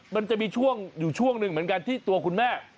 มันจะมีช่วงอยู่ช่วงหนึ่งเหมือนกันที่ตัวคุณแม่